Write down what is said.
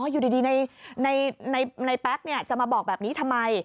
อยู่ดีในแป๊กจะมาบอกแบบนี้ทำไม